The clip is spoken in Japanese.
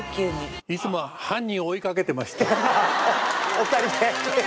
お二人で。